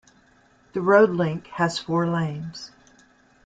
The road link has four lanes.